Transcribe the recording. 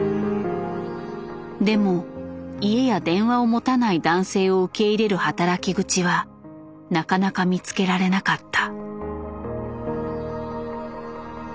でも家や電話を持たない男性を受け入れる働き口はなかなか見つけられなかった。